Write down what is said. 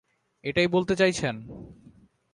এটাই বলতে চাইছেন?